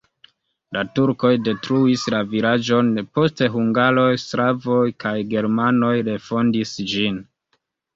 La turkoj detruis la vilaĝon, poste hungaroj, slavoj kaj germanoj refondis ĝin.